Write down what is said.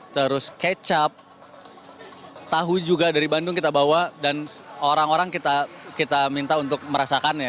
terus kecap tahu juga dari bandung kita bawa dan orang orang kita minta untuk merasakannya